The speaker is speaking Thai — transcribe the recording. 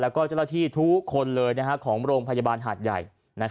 และเจ้าที่ทุกคนของโรงพยาบาลหาดใหญ่